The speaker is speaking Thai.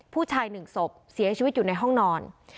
ผู้ชาย๑ศพเสียชีวิตอยู่ในห้องนอน